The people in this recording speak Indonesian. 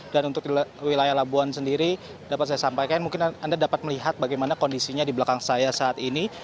untuk wilayah labuan sendiri dapat saya sampaikan mungkin anda dapat melihat bagaimana kondisinya di belakang saya saat ini